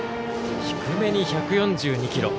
低めに１４２キロ。